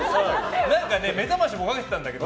目覚ましもかけてたんだけど。